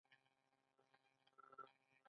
ایا غوږونه مو دردیږي؟